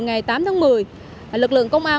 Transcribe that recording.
ngày tám tháng một mươi lực lượng công an